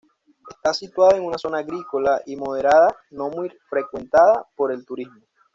Está situada en una zona agrícola y maderera no muy frecuentada por el turismo.